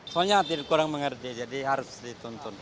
soalnya kurang mengerti jadi harus dituntun